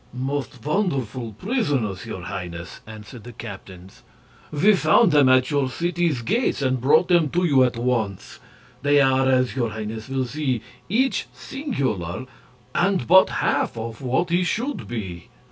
"Most wonderful prisoners, your Highnesses," answered the captains. "We found them at your cities' gates and brought them to you at once. They are, as your Highnesses will see, each singular, and but half of what he should be."